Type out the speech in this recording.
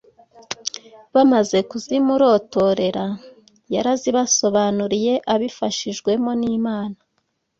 Bamaze kuzimurotorera, yarazibasobanuriye abifashijwemo n’Imana